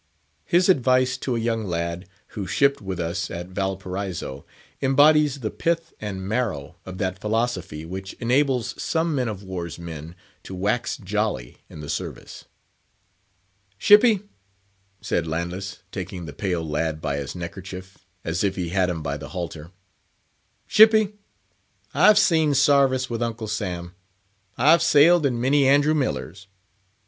His advice to a young lad, who shipped with us at Valparaiso, embodies the pith and marrow of that philosophy which enables some man of war's men to wax jolly in the service. "Shippy!" said Landless, taking the pale lad by his neckerchief, as if he had him by the halter; "Shippy, I've seen sarvice with Uncle Sam—I've sailed in many Andrew Millers.